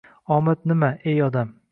— Omad nima, ey odam?